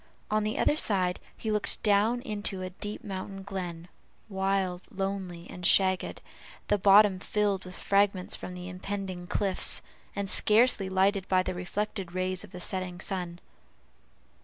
On the other side he looked down into a deep mountain glen, wild, lonely, and shagged, the bottom filled with fragments from the impending cliffs, and scarcely lighted by the reflected rays of the setting sun.